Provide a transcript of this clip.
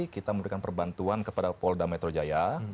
kita memberikan perbantuan kepada polri dan metro jaya